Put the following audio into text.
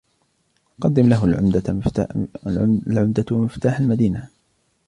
قدم له العمدة مفتاح المدينة.